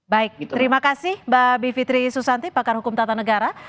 baik terima kasih mbak bivitri susanti pakar hukum tata negara